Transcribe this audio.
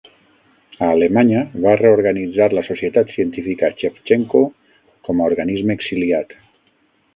A Alemanya, va reorganitzar la Societat Científica Xevtxenko com a organisme exiliat.